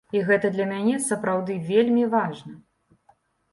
І гэта для мяне сапраўды вельмі важна.